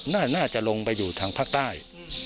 น่าจะลงไปอยู่ทางภาคใต้